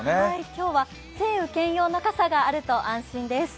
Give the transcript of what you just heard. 今日は、晴雨兼用の傘があると安心です。